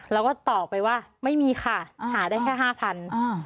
เราก็ตอบไปว่าไม่มีค่ะหาได้แค่ห้าพัน